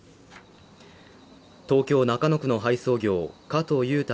東京・中野区の配送業加藤雄太